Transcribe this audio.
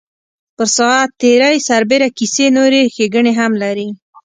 پر ساعت تېرۍ سربېره کیسې نورې ښیګڼې هم لري.